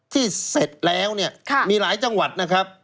ที่เสร็จแล้วมีหลายจังหวัดนะครับ